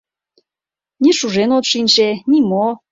Ни шужен от шинче, ни мо...